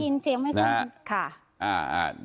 เสียงไม่ค่อยได้ยินเสียงไม่ค่อยได้ยิน